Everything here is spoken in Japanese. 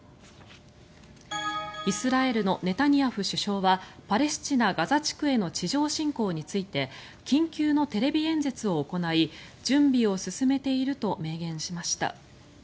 イスラエルのネタニヤフ首相はパレスチナ・ガザ地区への地上侵攻について緊急のテレビ演説を行い準備を進めていると明言しました。